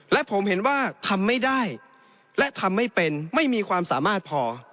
และผมเห็นว่าทำไม่ได้และทำไม่เป็นไม่มีความสามารถพอ